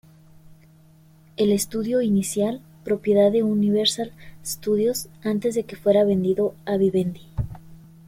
El estudio inicial, propiedad de Universal Studios antes de que fuera vendido a Vivendi.